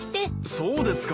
そうですか。